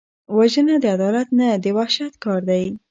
وژنه د عدالت نه، د وحشت کار دی